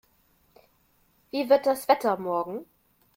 Wie wird das Wetter morgen?